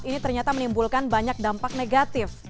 ini ternyata menimbulkan banyak dampak negatif